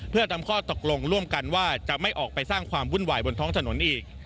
เพื่อทำข้อตกลงร่วมกันว่าจะไม่ออกไปสร้างความวุ่นวายบนท้องถนนอีก